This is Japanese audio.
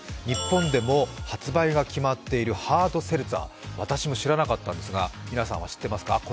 日本でも発売が決まっているハードセルツァー、私も知らなかったんですが皆さんは知ってますか？